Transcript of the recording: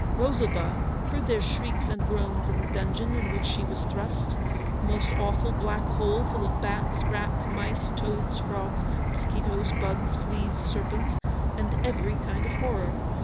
Rosalba heard their shrieks and groans in the dungeon in which she was thrust; a most awful black hole, full of bats, rats, mice, toads, frogs, mosquitoes, bugs, fleas, serpents, and every kind of horror.